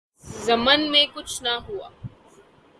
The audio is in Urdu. لیکن اس ضمن میں کچھ نہ ہوا